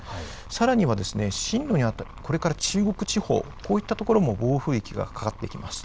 さらには、進路に当たる、これから中国地方、こういった所も暴風域がかかってきます。